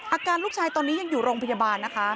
อาการลูกชายตอนนี้ยังอยู่โรงพยาบาลนะคะ